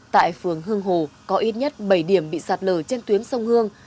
tại phường hương hồ có ít nhất bảy điểm bị sạt lở trên tuyến sông hương